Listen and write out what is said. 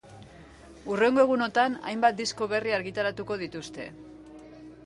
Hurrengo egunotan, hainbat disko berri argitaratuko dituzte.